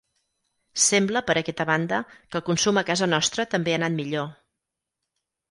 Sembla, per aquesta banda, que el consum a casa nostra també ha anat millor.